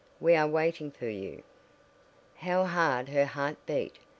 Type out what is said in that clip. We are waiting for you." How hard her heart beat!